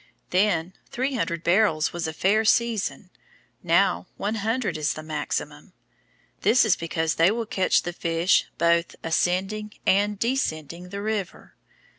Then, three hundred barrels was a fair season; now one hundred is the maximum; this is because they will catch the fish both ascending and descending the river.